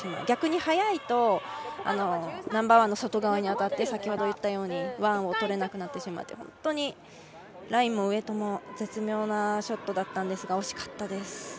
逆に早いとナンバーワンの外側に当たって、先ほど入ったようにワンを取れなくなってしまって本当にラインもウエートも絶妙なショットだったんですが惜しかったです。